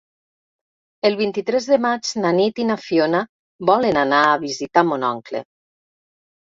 El vint-i-tres de maig na Nit i na Fiona volen anar a visitar mon oncle.